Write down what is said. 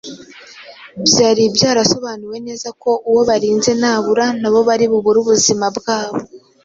Byari byarasobanuwe neza ko uwo barinze nabura nabo bari bubure ubuzima bwabo,